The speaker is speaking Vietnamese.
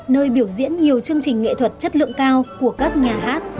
nơi biểu diễn nhiều chương trình nghệ thuật chất lượng cao của các nhà hát